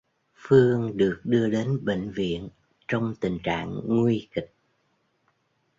Phương được đưa đến bệnh viện trong tình trạng nguy kịch